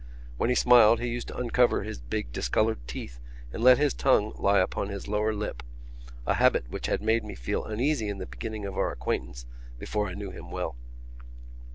When he smiled he used to uncover his big discoloured teeth and let his tongue lie upon his lower lip—a habit which had made me feel uneasy in the beginning of our acquaintance before I knew him well.